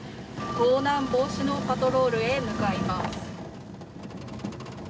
盗難防止のパトロールへ向かいます。